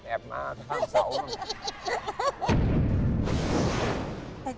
แอบมาแล้วทำเศร้า